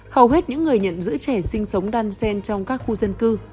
hầu hết những người nhận giữ trẻ sinh sống đan sen trong các khu dân cư